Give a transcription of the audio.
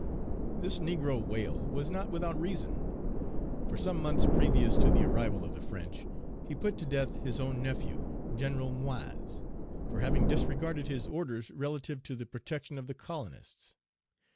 This negro wail was not without reason; for some months previous to the arrival of the French, he put to death his own nephew, General Moise, for having disregarded his orders relative to the protection of the colonists.